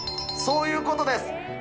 そういうことです。